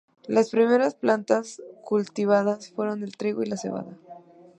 Las primeras plantas cultivadas fueron el trigo y la cebada.